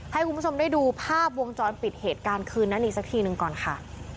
ให้คุณผู้ชมได้ดูภาพวงจรปิดเหตุการณ์คืนนั้นอีกสักทีหนึ่งก่อนค่ะ